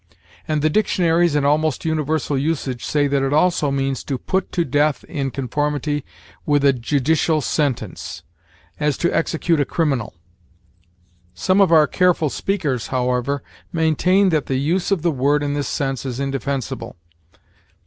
And the dictionaries and almost universal usage say that it also means to put to death in conformity with a judicial sentence; as, to execute a criminal. Some of our careful speakers, however, maintain that the use of the word in this sense is indefensible.